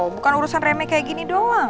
bukan urusan remeh seperti ini